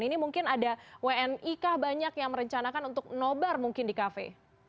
ini mungkin ada wni kah banyak yang merencanakan untuk nobar mungkin di kafe